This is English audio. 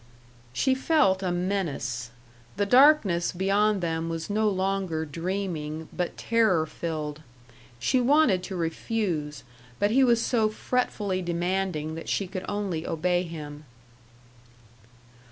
She felt a menace; the darkness beyond them was no longer dreaming, but terror filled. She wanted to refuse, but he was so fretfully demanding that she could only obey him.